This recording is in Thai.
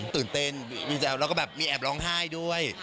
ตื่นเต้นแล้วก็แอบร้องไห้ด้วย